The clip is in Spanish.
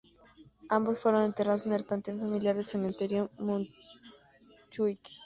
Ambos fueron enterrados en el panteón familiar del cementerio de Montjuic.